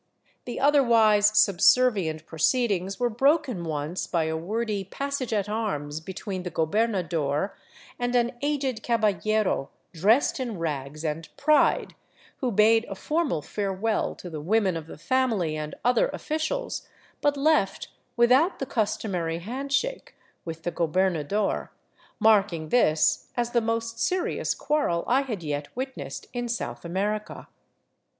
The other wise subservient proceedings were broken once by a wordy passage at arms between the gobernador and an aged caballero dressed in rags and pride, who bade a formal farewell to the women of the family and other officials, but left without the customary handshake with the gobernador, marking this as the most serious quarrel I had yet wit nessed in South America.